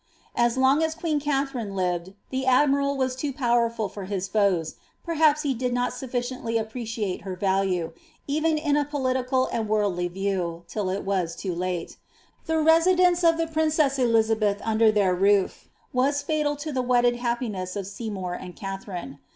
As long as queen Katharine livetT) the admiral was too powerful for bis foes; perhaps he did not sufliciently appreciate her valii/, even in a political and worldly point of view, till it was too late. The residence of the princess Elizabeth under their roof was fatal to the wedded hap< piness of Seymour and Katharine.